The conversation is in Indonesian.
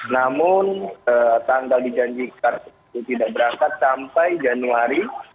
namun tanggal dijanjikan untuk tidak berangkat sampai januari